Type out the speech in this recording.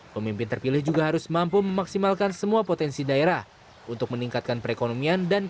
pemimpin terpilih juga harus mampu memaksimalkan semua potensi daerah untuk meningkatkan perekonomian